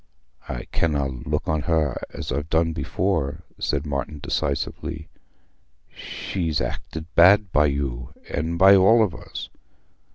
"I canna look on her as I've done before," said Martin decisively. "She's acted bad by you, and by all of us.